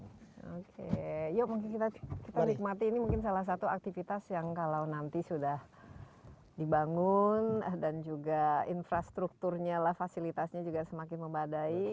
oke yuk mungkin kita nikmati ini mungkin salah satu aktivitas yang kalau nanti sudah dibangun dan juga infrastrukturnya lah fasilitasnya juga semakin membadai